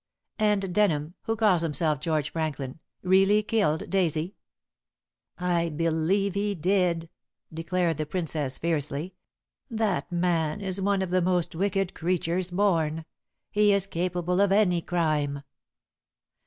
"And Denham, who calls himself George Franklin, really killed Daisy?" "I believe he did," declared the Princess fiercely. "That man is one of the most wicked creatures born. He is capable of any crime."